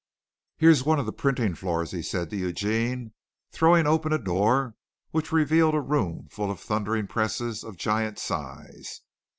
"Here's one of the printing floors," he said to Eugene, throwing open a door which revealed a room full of thundering presses of giant size.